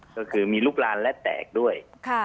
ก็คือมีลูกลานและแตกด้วย